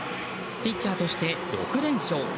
ピッチャーとして６連勝。